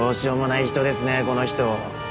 この人。